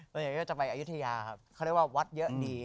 ส่วนใหญ่ก็จะไปอายุทยาครับเขาเรียกว่าวัดเยอะดี